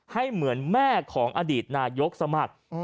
ให้เหมือนแม่ของอดีตนายกสมัคร